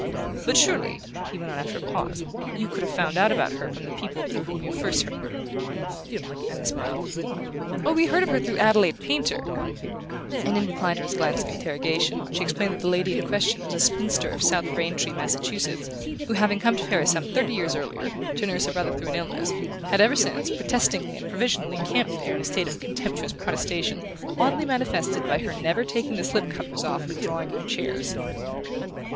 But surely," he went on after a pause, "you could have found out about her from the people through whom you first heard of her?" Anna smiled. "Oh, we heard of her through Adelaide Painter ;" and in reply to his glance of interrogation she explained that the lady in question was a spinster of South Braintree, Massachusetts, who, having come to Paris some thirty years earlier, to nurse a brother through an illness, had ever since protestingly and provisionally camped there in a state of contemptuous protestation oddly manifested by her never taking the slip covers off her drawing room chairs.